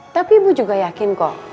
tapi ibu juga yakin kok